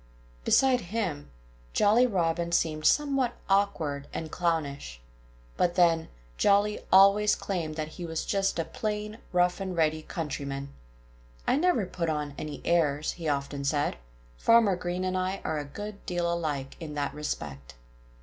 Beside him, Jolly Robin seemed somewhat awkward and clownish. But then, Jolly always claimed that he was just a plain, rough and ready countryman. "I never put on any airs," he often said. "Farmer Green and I are a good deal alike in that respect."